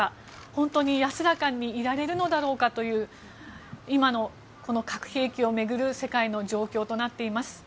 本当に安らかにいられるのだろうかという今の核兵器を巡る世界の状況となっています。